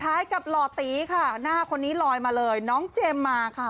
กับหล่อตีค่ะหน้าคนนี้ลอยมาเลยน้องเจมส์มาค่ะ